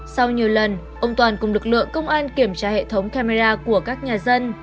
sau nhiều lần ông toàn cùng lực lượng công an kiểm tra hệ thống camera của các nhà dân